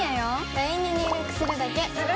ＬＩＮＥに入力するだけ！